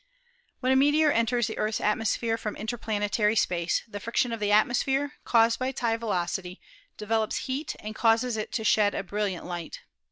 When a meteor enters the Earth's atmosphere from interplanetary space, the friction of the atmosphere, caused by its high velocity, develops heat and causes it to shed a brilliant light.